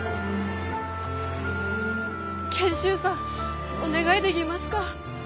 賢秀さんお願いでぎますか？